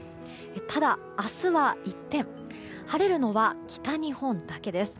ただ、明日は一転晴れるのは北日本だけです。